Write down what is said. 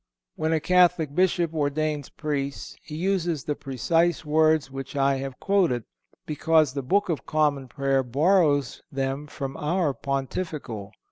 When a Catholic Bishop ordains Priests he uses the precise words which I have quoted, because the Book of Common Prayer borrows them from our Pontifical.